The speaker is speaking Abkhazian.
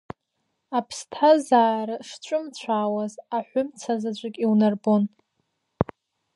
Аԥсҭазаара шҿымцәаауаз аҳәымца заҵәык иунарбон.